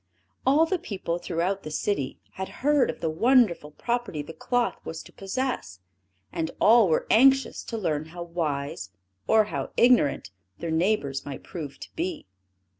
All the people throughout the city had heard of the wonderful property the cloth was to possess; and all were anxious to learn how wise, or how ignorant, their neighbors might prove to be.